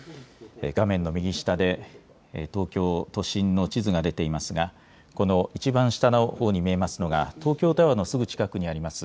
画面の右下で東京都心の地図が出ていますがこのいちばん下のほうに見えますのが東京タワーのすぐ近くにあります